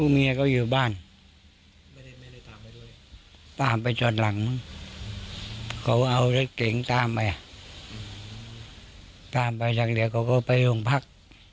ผู้เมียเขาอยู่บ้านไม่ได้ไม่ได้ตามไปด้วยตามไปจนหลังเขาเอารถเก๋งตามไปตามไปจากเดี๋ยวเขาก็ไปห่วงพัก